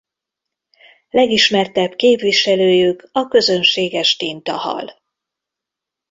Legismertebb képviselőjük a közönséges tintahal.